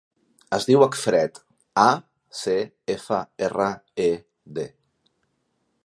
Es diu Acfred: a, ce, efa, erra, e, de.